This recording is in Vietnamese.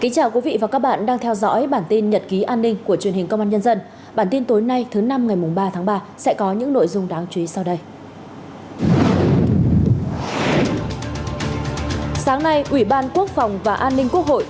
cảm ơn các bạn đã theo dõi